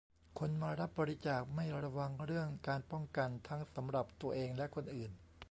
คนมารับบริจาคไม่ระวังเรื่องการป้องกันทั้งสำหรับตัวเองและคนอื่น